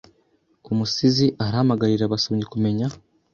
Umusizi arahamagarira abasomyi kumenya